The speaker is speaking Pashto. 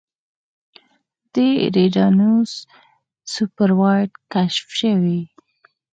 د ایریدانوس سوپر وایډ کشف شوی.